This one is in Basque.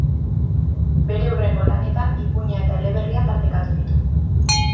Bere hurrengo lanetan ipuina eta eleberria tartekatu ditu.